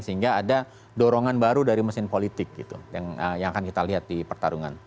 sehingga ada dorongan baru dari mesin politik gitu yang akan kita lihat di pertarungan